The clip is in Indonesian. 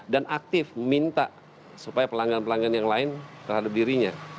dan aktif minta supaya pelanggan pelanggan yang lain terhadap dirinya